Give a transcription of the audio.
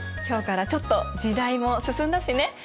今日からちょっと時代も進んだしね。